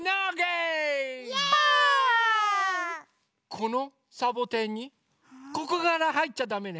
このサボテンにここからはいっちゃだめね。